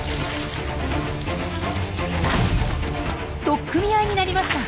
取っ組み合いになりました。